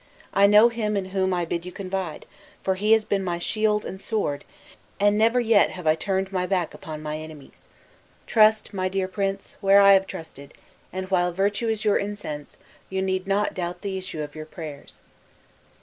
I know Him in whom I bid you confide; for He has been my shield and sword, and never yet have I turned my back upon my enemies. Trust, my dear prince, where I have trusted; and while virtue is your incense, you need not doubt the issue of your prayers."